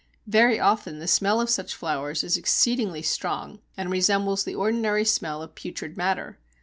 Very often the smell of such flowers is exceedingly strong, and resembles the ordinary smell of putrid matter.